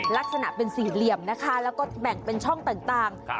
ลักษณะเป็นสี่เหลี่ยมนะคะแล้วก็แบ่งเป็นช่องต่าง